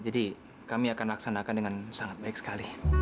jadi kami akan laksanakan dengan sangat baik sekali